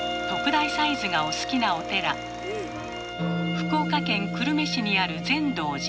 福岡県・久留米市にある善道寺。